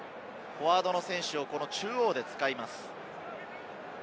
フォワードの選手を中央で使います。